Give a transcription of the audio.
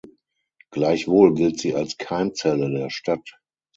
Gleichwohl gilt sie als Keimzelle der Stadt.